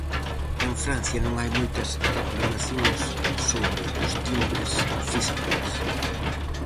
En Francia non hai moitas reclamacións sobre os timbres fiscais.